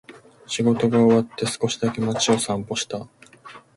仕事が終わって、少しだけ街を散歩した。